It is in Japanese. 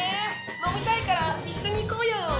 飲みたいから一緒に行こうよ。